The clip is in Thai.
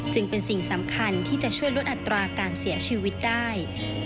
จึงเป็นสิ่งสำคัญที่จะช่วยลดอัตราการเสียชีวิตได้